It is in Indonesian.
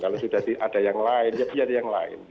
kalau sudah ada yang lain ya biar yang lain